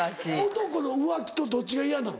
男の浮気とどっちが嫌なの？